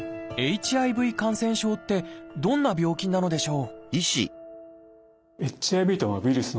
ＨＩＶ感染症ってどんな病気なのでしょう？